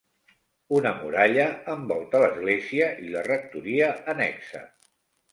Una muralla envolta l'església i la rectoria annexa.